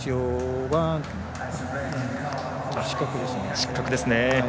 失格ですね。